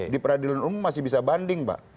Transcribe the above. di peradilan umum masih bisa banding pak